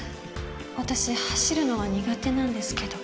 私走るのは苦手なんですけど。